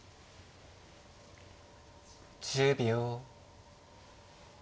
１０秒。